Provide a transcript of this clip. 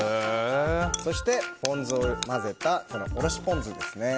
そして、ポン酢を混ぜたおろしポン酢ですね。